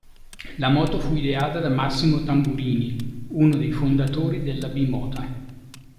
La moto fu ideata da Massimo Tamburini uno dei fondatori della Bimota.